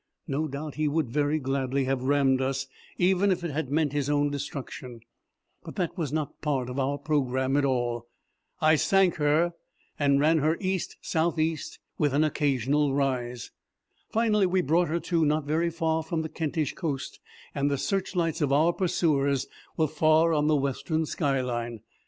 No doubt he would very gladly have rammed us, even if it had meant his own destruction, but that was not part of our programme at all. I sank her and ran her east south east with an occasional rise. Finally we brought her to, not very far from the Kentish coast, and the search lights of our pursuers were far on the western skyline.